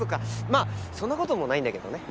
まあそんな事もないんだけどね。